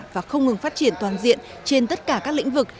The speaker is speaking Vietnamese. và không ngừng phát triển toàn diện trên tất cả các lĩnh vực